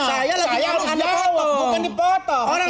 saya lagi jawab bukan dipotong